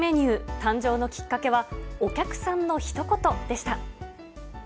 誕生のきっかけは、お客さんのひと言でした。